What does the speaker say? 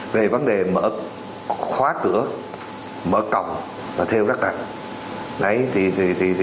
về vấn đề mở khóa cửa mở cổng là thêu rất đặc